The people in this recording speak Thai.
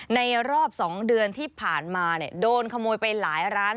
ในรอบ๒เดือนที่ผ่านมาโดนขโมยไปหลายร้าน